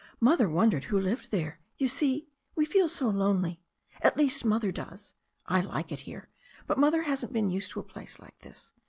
Mother wondered who lived there. You see, we feel so lonely — at least Mother does. I like it here, but Mother hasn't been used to a place like this.